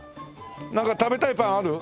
なんか食べたいパンある？